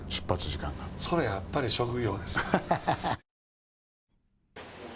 それはやっぱり職業ですから。